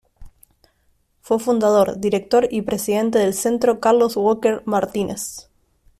Fue fundador, director y presidente del Centro "Carlos Walker Martínez".